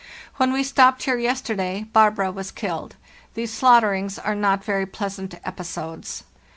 When we stopped here yesterday 'Barbara' was killed. These slaughterings are not very pleasant episodes.